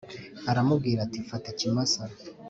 aramubwira ati fata ikimasa